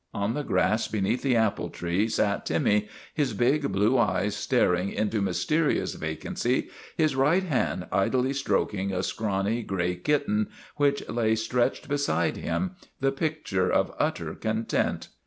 On the grass beneath the apple tree sat Timmy, his big blue eyes staring into mysterious vacancy, his right hand idly stroking a scrawny gray kitten which lay stretched beside him, the pic ture of utter content.